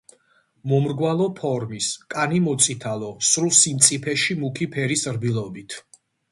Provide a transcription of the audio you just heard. მომრგვალო ფორმის, კანი მოწითალო, სრულ სიმწიფეში მუქი ფერის რბილობით.